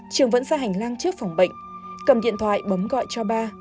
trường vẫn ra hành lang trước phòng bệnh cầm điện thoại bấm gọi cho ba